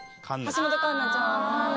橋本環奈ちゃん。